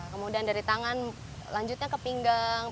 kemudian dari tangan lanjutnya ke pinggang